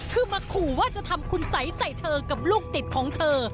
คือมาขู่ว่าจะทำคุณสัยใส่เธอกับลูกติดของเธอ